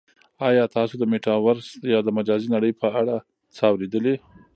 آیا تاسو د میټاورس یا د مجازی نړۍ په اړه څه اورېدلي؟